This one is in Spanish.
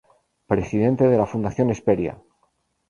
Presidente de la Fundación Hesperia.